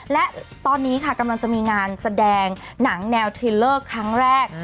และตอนนี้ค่ะกำลังจะมีงานแสดงหนังแนวเทลเลอร์ครั้งแรก